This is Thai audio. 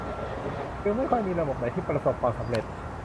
จึงไม่ค่อยมีระบบไหนที่ประสบความสำเร็จ